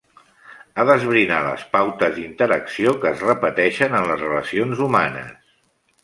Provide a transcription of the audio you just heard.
Ha d'esbrinar les pautes d'interacció que es repeteixen en les relacions humanes.